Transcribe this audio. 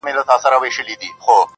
هغې ليونۍ بيا د غاړي هار مات کړی دی.